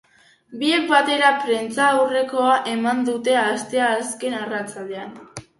Biek batera prentsaurrekoa eman dute asteazken arratsaldean.